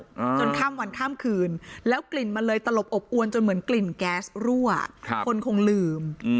อืมจนข้ามวันข้ามคืนแล้วกลิ่นมันเลยตลบอบอวนจนเหมือนกลิ่นแก๊สรั่วครับคนคงลืมอืม